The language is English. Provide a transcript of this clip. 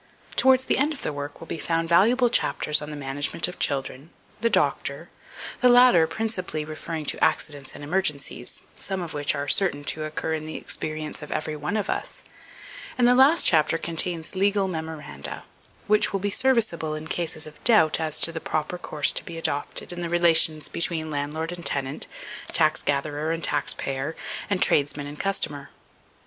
Towards the end of the work will be found valuable chapters on the "Management of Children" "The Doctor," the latter principally referring to accidents and emergencies, some of which are certain to occur in the experience of every one of us; and the last chapter contains "Legal Memoranda," which will be serviceable in cases of doubt as to the proper course to be adopted in the relations between Landlord and Tenant, Tax gatherer and Tax payer, and Tradesman and Customer.